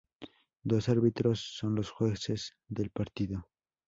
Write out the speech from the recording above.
Dos árbitros son los jueces del partido.